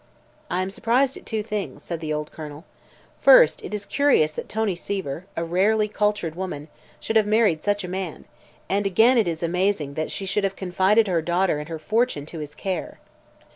"I am surprised at two things," said the old Colonel. "First, it is curious that Tony Seaver, a rarely cultured woman, should have married such a man, and again it is amazing that she should have confided her daughter and her fortune to his care."